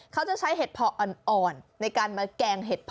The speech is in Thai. เขาจะใช้เห็ดเพาะอ่อนในการมาแกงเห็ดพอ